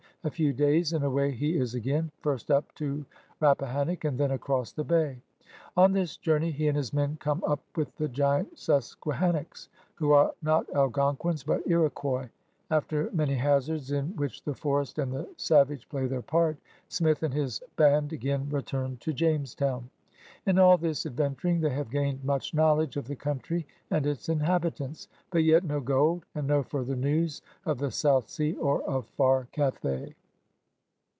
A few days, and away he is again, first up to Rappahannock, and then across the bay. On this journey he and his men come up with the giant Susquehannocks, who are not Algonquins but Iro quois. After many hazards in which the forest and the savage play their part. Smith and his band again return to Jamestown. In all this ad venturing they have gained much knowledge of the country and its inhabitants — but yet no gold, and no further news of the South Sea or of far Cathay.